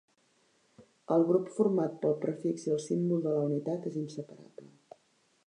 El grup format pel prefix i el símbol de la unitat és inseparable.